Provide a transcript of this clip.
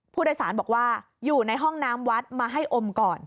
ผู้โดยสารบอกว่าอยู่ในห้องน้ำวัดมาให้อมก่อน